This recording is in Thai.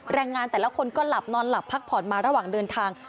แรงงานแต่ละคนก็หลับนอนหลับพักผ่อนมาระหว่างเดินทาง